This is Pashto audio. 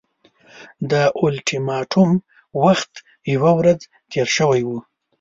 د اولټیماټوم وخت یوه ورځ تېر شوی وو.